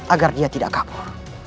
agar dia tidak kabur